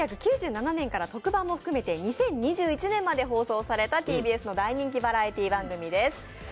１９９７年から特番も含めて２０２１年まで放送されたＴＢＳの大人気バラエティー番組です